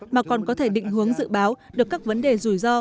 mà còn có thể định hướng dự báo được các vấn đề rủi ro